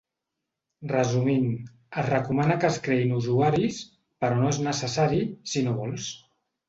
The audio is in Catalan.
Resumint, es recomana que es creïn usuaris, però no és necessari, si no vols.